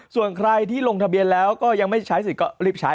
ส่วนใครที่ลงทะเบียนแล้วก็ยังไม่ใช้สิทธิ์ก็รีบใช้